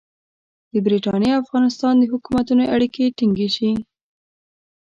د برټانیې او افغانستان د حکومتونو اړیکې ټینګې شي.